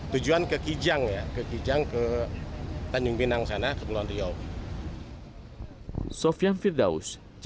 tujuan ke kijang ya ke tanjung pinang sana ke pulau riau